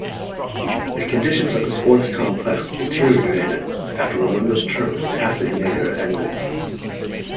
The conditions of the sports complex deteriorated after Raymundo's term as Pasig mayor ended.